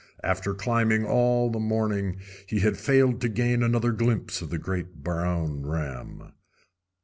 After climbing all the morning he had failed to gain another glimpse of the great brown ram.